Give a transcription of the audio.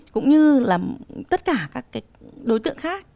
cũng như là tất cả các đối tượng khác